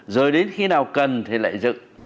rồi đến khi nào cần thì lại dựng